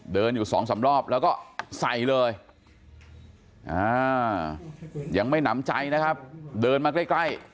เดินอยู่สองสามรอบแล้วก็ใส่เลยยังไม่หนำใจนะครับเดินมาใกล้